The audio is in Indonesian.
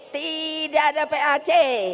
tidak ada pac